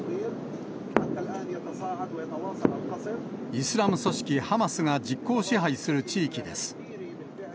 イスラム組織ハマスが実効支配する地域です。